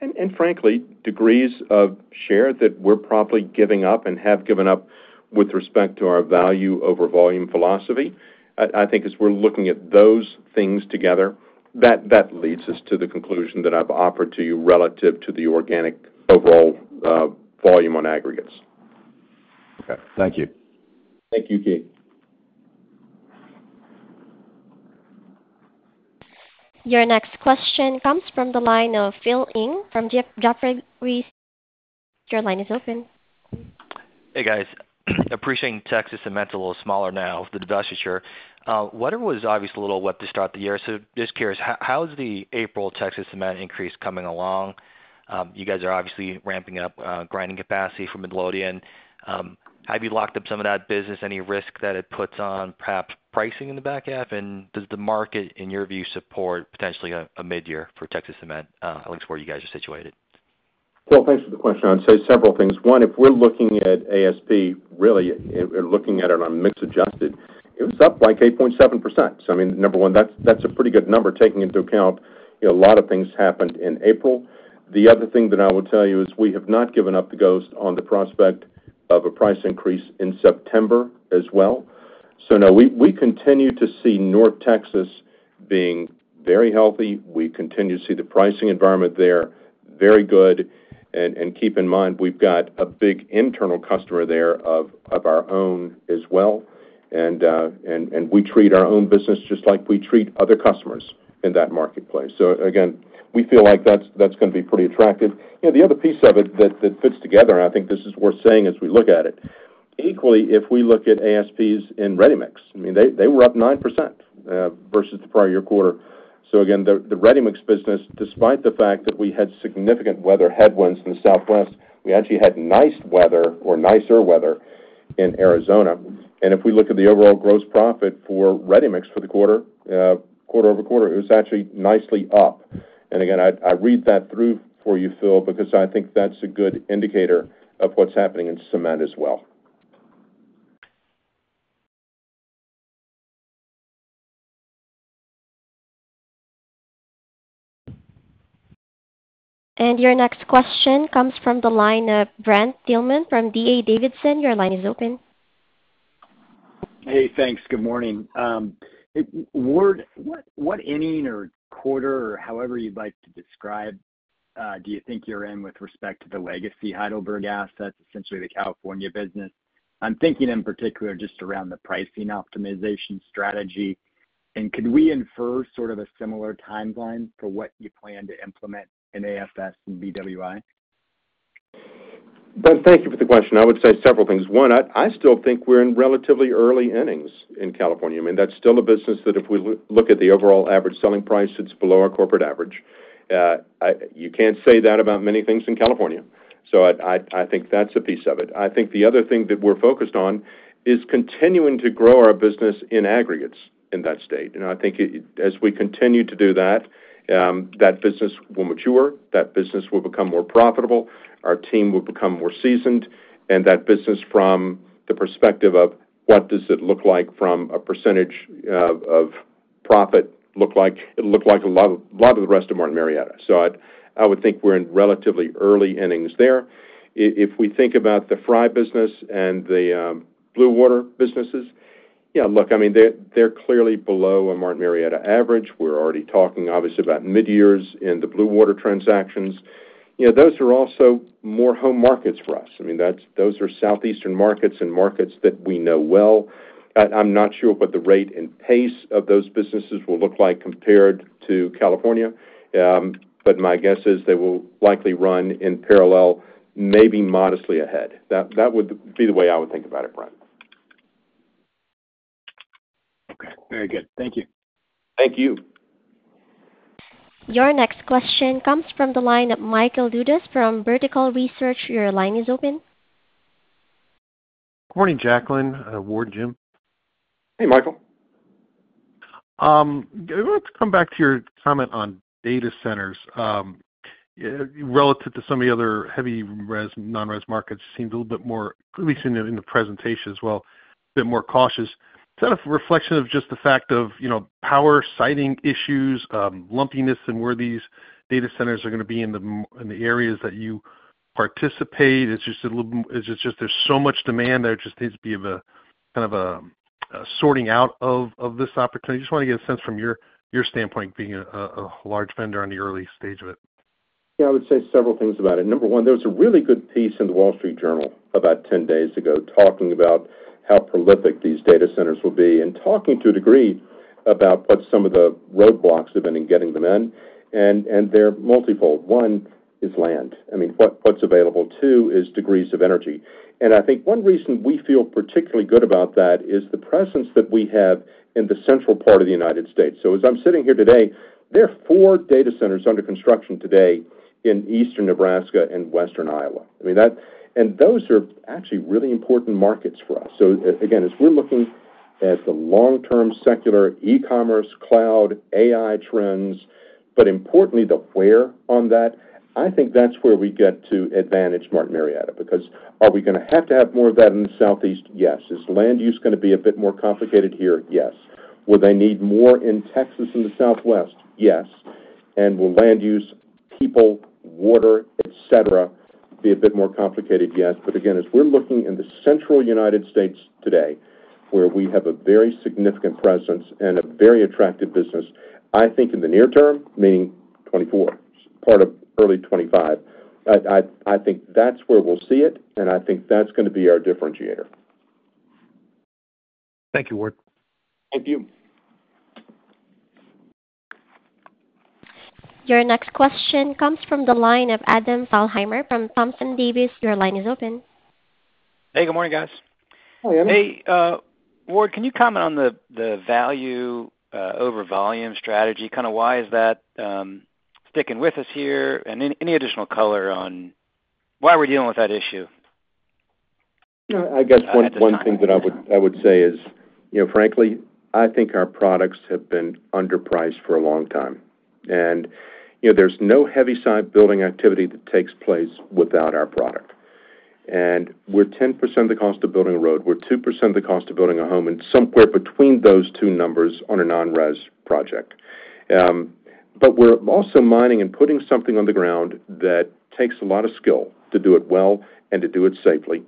and frankly, degrees of share that we're probably giving up and have given up with respect to our Value-Over-Volume philosophy, I, I think as we're looking at those things together, that, that leads us to the conclusion that I've offered to you relative to the organic overall volume on aggregates. Okay. Thank you. Thank you, Keith. Your next question comes from the line of Phil Ng from Jefferies.... Your line is open. Hey, guys. Appreciating Texas Cement's a little smaller now with the divestiture. Weather was obviously a little wet to start the year. So just curious, how is the April Texas Cement increase coming along? You guys are obviously ramping up grinding capacity for Midlothian. Have you locked up some of that business? Any risk that it puts on perhaps pricing in the back half? And does the market, in your view, support potentially a midyear for Texas Cement, at least where you guys are situated? Well, thanks for the question. I'd say several things. One, if we're looking at ASP, really, and looking at it on mix adjusted, it was up, like, 8.7%. So I mean, number one, that's a pretty good number, taking into account, you know, a lot of things happened in April. The other thing that I will tell you is we have not given up the ghost on the prospect of a price increase in September as well. So no, we continue to see North Texas being very healthy. We continue to see the pricing environment there very good. And keep in mind, we've got a big internal customer there of our own as well, and we treat our own business just like we treat other customers in that marketplace. So again, we feel like that's, that's gonna be pretty attractive. You know, the other piece of it that, that fits together, and I think this is worth saying as we look at it, equally, if we look at ASPs in Ready-Mix, I mean, they, they were up 9%, versus the prior year quarter. So again, the, the Ready-Mix business, despite the fact that we had significant weather headwinds in the Southwest, we actually had nice weather or nicer weather in Arizona. And if we look at the overall gross profit for Ready-Mix for the quarter, quarter-over-quarter, it was actually nicely up. And again, I, I read that through for you, Phil, because I think that's a good indicator of what's happening in cement as well. Your next question comes from the line of Brent Thielman from D.A. Davidson. Your line is open. Hey, thanks. Good morning. Ward, what inning or quarter or however you'd like to describe, do you think you're in with respect to the legacy Heidelberg assets, essentially the California business? I'm thinking in particular just around the pricing optimization strategy. And could we infer sort of a similar timeline for what you plan to implement in AFS and BWI? Brent, thank you for the question. I would say several things. One, I still think we're in relatively early innings in California. I mean, that's still a business that if we look at the overall average selling price, it's below our corporate average. You can't say that about many things in California, so I think that's a piece of it. I think the other thing that we're focused on is continuing to grow our business in aggregates in that state. And I think as we continue to do that, that business will mature, that business will become more profitable, our team will become more seasoned, and that business from the perspective of what does it look like from a percentage of profit look like? It'll look like a lot of the rest of Martin Marietta. So I would think we're in relatively early innings there. If we think about the Frei business and the Blue Water businesses, yeah, look, I mean, they're clearly below a Martin Marietta average. We're already talking, obviously, about midyears in the Blue Water transactions. You know, those are also more home markets for us. I mean, that's those are Southeastern markets and markets that we know well. I'm not sure what the rate and pace of those businesses will look like compared to California, but my guess is they will likely run in parallel, maybe modestly ahead. That would be the way I would think about it, Brent. Okay, very good. Thank you. Thank you. Your next question comes from the line of Michael Dudas from Vertical Research. Your line is open. Morning, Jacklyn, Ward, Jim. Hey, Michael. I want to come back to your comment on data centers. Relative to some of the other heavy res, non-res markets, seems a little bit more, at least in the presentation as well, a bit more cautious. Is that a reflection of just the fact of, you know, power siting issues, lumpiness in where these data centers are gonna be in the areas that you participate? It's just a little, it's just there's so much demand there, it just needs to be of a kind of sorting out of this opportunity. I just wanna get a sense from your standpoint, being a large vendor on the early stage of it. Yeah, I would say several things about it. Number 1, there was a really good piece in the Wall Street Journal about 10 days ago talking about how prolific these data centers will be and talking, to a degree, about what some of the roadblocks have been in getting them in, and, and they're multiple. One is land. I mean, what, what's available? 2 is degrees of energy. And I think one reason we feel particularly good about that is the presence that we have in the central part of the United States. So as I'm sitting here today, there are 4 data centers under construction today in eastern Nebraska and western Iowa. I mean, that, and those are actually really important markets for us. So again, as we're looking at the long-term secular e-commerce, cloud, AI trends, but importantly, the where on that, I think that's where we get to advantage Martin Marietta, because are we gonna have to have more of that in the Southeast? Yes. Is land use gonna be a bit more complicated here? Yes. Will they need more in Texas and the Southwest? Yes. And will land use, people, water, et cetera, be a bit more complicated? Yes. But again, as we're looking in the central United States today, where we have a very significant presence and a very attractive business, I think in the near term, meaning 2024, part of early 2025, I think that's where we'll see it, and I think that's gonna be our differentiator. Thank you, Ward. Thank you. Your next question comes from the line of Adam Thalhimer from D.A. Davidson. Your line is open. Hey, good morning, guys. Hi, Adam. Hey, Ward, can you comment on the Value-Over-Volume strategy? Kind of why is that sticking with us here, and any additional color on why we're dealing with that issue? I guess one thing that I would say is, you know, frankly, I think our products have been underpriced for a long time. And, you know, there's no heavy side building activity that takes place without our product. And we're 10% of the cost of building a road, we're 2% of the cost of building a home, and somewhere between those two numbers on a non-res project. But we're also mining and putting something on the ground that takes a lot of skill to do it well and to do it safely.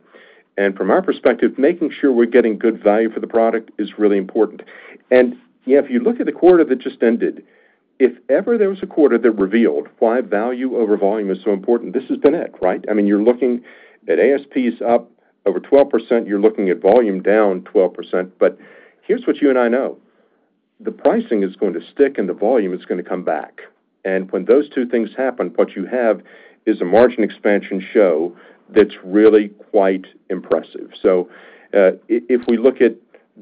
And from our perspective, making sure we're getting good value for the product is really important. And, yeah, if you look at the quarter that just ended, if ever there was a quarter that revealed why Value-Over-Volume is so important, this is the net, right? I mean, you're looking at ASPs up over 12%, you're looking at volume down 12%. But here's what you and I know: the pricing is going to stick, and the volume is gonna come back. And when those two things happen, what you have is a margin expansion show that's really quite impressive. So, if we look at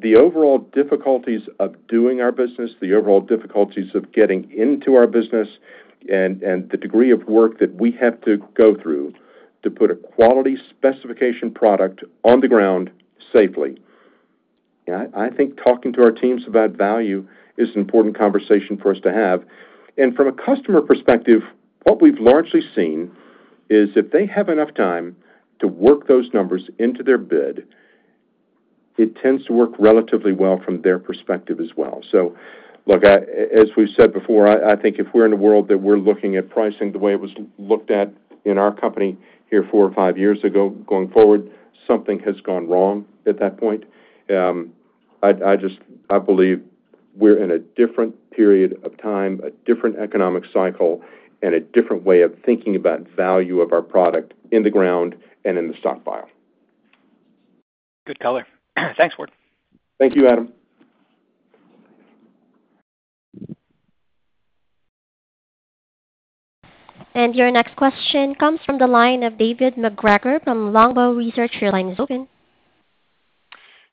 the overall difficulties of doing our business, the overall difficulties of getting into our business, and the degree of work that we have to go through to put a quality specification product on the ground safely, yeah, I think talking to our teams about value is an important conversation for us to have. And from a customer perspective, what we've largely seen is if they have enough time to work those numbers into their bid, it tends to work relatively well from their perspective as well. So look, as we've said before, I think if we're in a world that we're looking at pricing the way it was looked at in our company here four or five years ago, going forward, something has gone wrong at that point. I'd just—I believe we're in a different period of time, a different economic cycle, and a different way of thinking about value of our product in the ground and in the stockpile. Good color. Thanks, Ward. Thank you, Adam. Your next question comes from the line of David MacGregor from Longbow Research. Your line is open.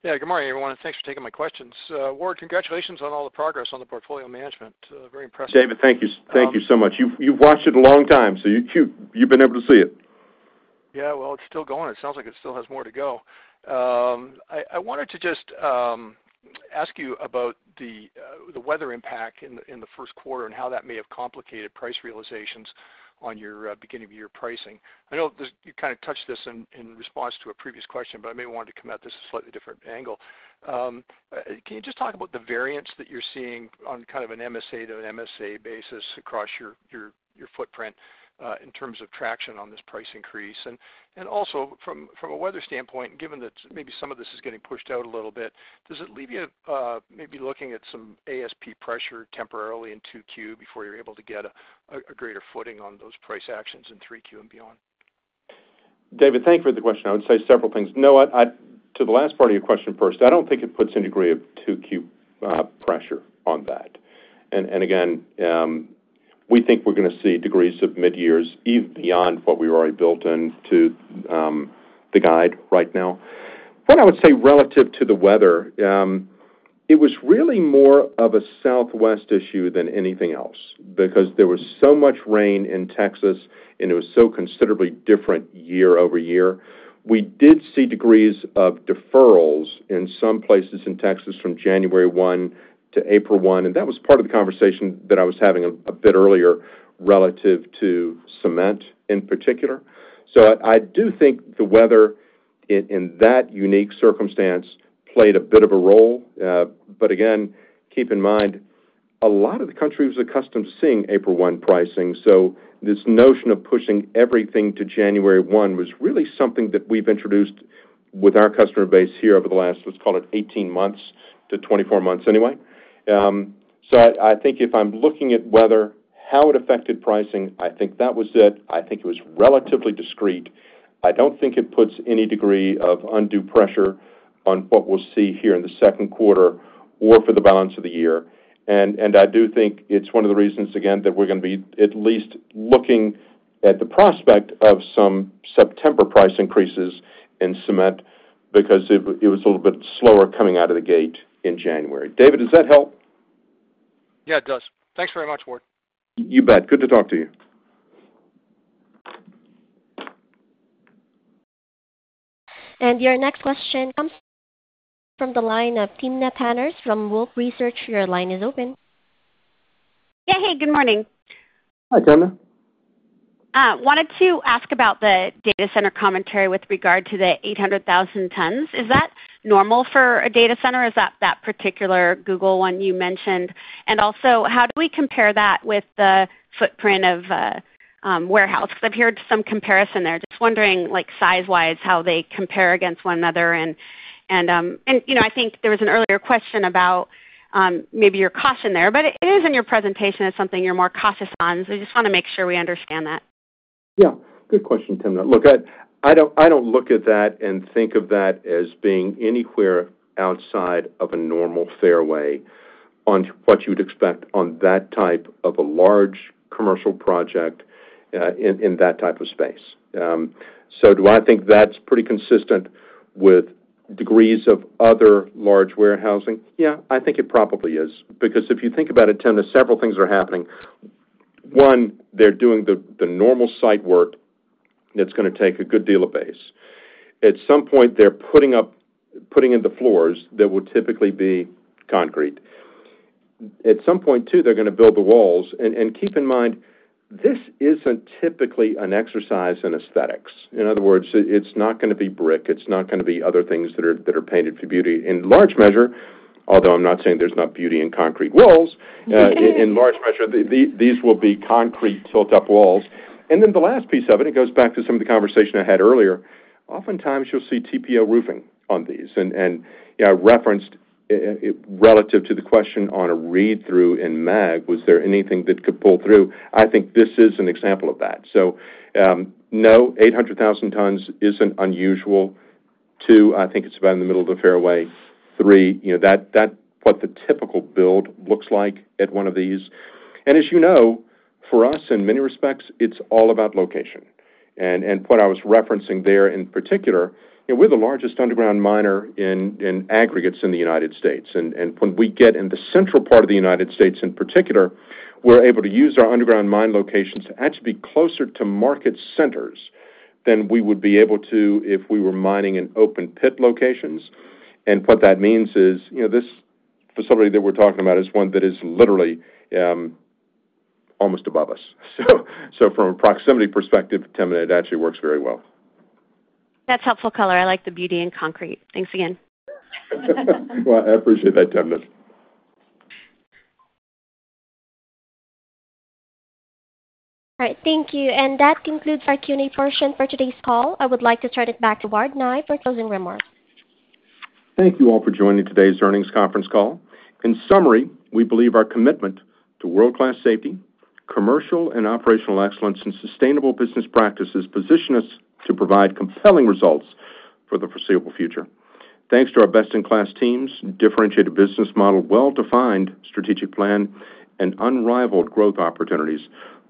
Yeah, good morning, everyone, and thanks for taking my questions. Ward, congratulations on all the progress on the portfolio management. Very impressive. David, thank you. Thank you so much. You've watched it a long time, so you've been able to see it. Yeah, well, it's still going. It sounds like it still has more to go. I wanted to just ask you about the weather impact in the first quarter and how that may have complicated price realizations on your beginning of year pricing. I know this... You kind of touched this in response to a previous question, but I may want to come at this a slightly different angle. Can you just talk about the variance that you're seeing on kind of an MSA-to-an MSA basis across your footprint in terms of traction on this price increase? And also from a weather standpoint, given that maybe some of this is getting pushed out a little bit, does it leave you maybe looking at some ASP pressure temporarily in 2Q before you're able to get a greater footing on those price actions in 3Q and beyond? David, thank you for the question. I would say several things. No, I— To the last part of your question first, I don't think it puts any degree of Q2 pressure on that. And again, we think we're gonna see degrees of mid-years even beyond what we've already built into the guide right now. Then I would say relative to the weather, it was really more of a southwest issue than anything else because there was so much rain in Texas, and it was so considerably different year-over-year. We did see degrees of deferrals in some places in Texas from January 1 to April 1, and that was part of the conversation that I was having a bit earlier, relative to cement in particular. So I do think the weather in that unique circumstance played a bit of a role. But again, keep in mind, a lot of the country was accustomed to seeing April 1 pricing, so this notion of pushing everything to January 1 was really something that we've introduced with our customer base here over the last, let's call it 18 months to 24 months anyway. So I think if I'm looking at weather, how it affected pricing, I think that was it. I think it was relatively discreet. I don't think it puts any degree of undue pressure on what we'll see here in the second quarter or for the balance of the year. I do think it's one of the reasons, again, that we're gonna be at least looking at the prospect of some September price increases in cement because it was a little bit slower coming out of the gate in January. David, does that help? Yeah, it does. Thanks very much, Ward. You bet. Good to talk to you. Your next question comes from the line of Timna Tanners from Wolfe Research. Your line is open. Yeah. Hey, good morning. Hi, Timna. Wanted to ask about the data center commentary with regard to the 800,000 tons. Is that normal for a data center, or is that that particular Google one you mentioned? And also, how do we compare that with the footprint of warehouse? Because I've heard some comparison there. Just wondering, like, size-wise, how they compare against one another. And, you know, I think there was an earlier question about maybe your caution there, but it is in your presentation as something you're more cautious on, so I just wanna make sure we understand that.... Yeah, good question, Timna. Look, I don't look at that and think of that as being anywhere outside of a normal fairway on what you'd expect on that type of a large commercial project, in that type of space. So do I think that's pretty consistent with degrees of other large warehousing? Yeah, I think it probably is. Because if you think about it, Timna, several things are happening. One, they're doing the normal site work that's gonna take a good deal of base. At some point, they're putting in the floors that would typically be concrete. At some point, too, they're gonna build the walls. And keep in mind, this isn't typically an exercise in aesthetics. In other words, it's not gonna be brick, it's not gonna be other things that are painted for beauty. In large measure, although I'm not saying there's not beauty in concrete walls, in large measure, these will be concrete tilt-up walls. Then the last piece of it, it goes back to some of the conversation I had earlier, oftentimes you'll see TPO roofing on these. And you know, I referenced relative to the question on a read-through in Mag, was there anything that could pull through? I think this is an example of that. So, no, 800,000 tons isn't unusual. Two, I think it's about in the middle of the fairway. Three, you know, that's what the typical build looks like at one of these. And as you know, for us, in many respects, it's all about location. What I was referencing there in particular, you know, we're the largest underground miner in aggregates in the United States. And when we get in the central part of the United States, in particular, we're able to use our underground mine locations to actually be closer to market centers than we would be able to if we were mining in open pit locations. And what that means is, you know, this facility that we're talking about is one that is literally almost above us. So from a proximity perspective, Timna, it actually works very well. That's helpful color. I like the beauty in concrete. Thanks again. Well, I appreciate that, Timna. All right. Thank you. And that concludes our Q&A portion for today's call. I would like to turn it back to Ward Nye for closing remarks. Thank you all for joining today's earnings conference call. In summary, we believe our commitment to world-class safety, commercial and operational excellence, and sustainable business practices position us to provide compelling results for the foreseeable future. Thanks to our best-in-class teams, differentiated business model, well-defined strategic plan, and unrivaled growth opportunities,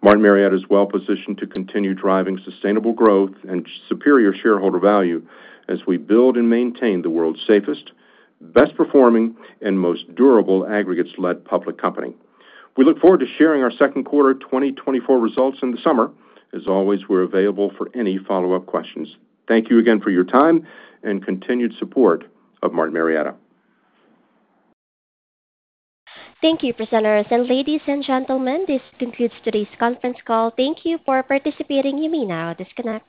Martin Marietta is well positioned to continue driving sustainable growth and superior shareholder value as we build and maintain the world's safest, best performing, and most durable aggregates-led public company. We look forward to sharing our second quarter 2024 results in the summer. As always, we're available for any follow-up questions. Thank you again for your time and continued support of Martin Marietta. Thank you, presenters. Ladies and gentlemen, this concludes today's conference call. Thank you for participating. You may now disconnect.